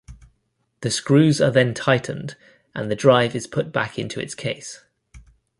The screws are then tightened and the drive is put back into its case.